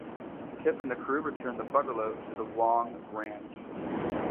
Kif and the crew return the buggalo to the Wong Ranch.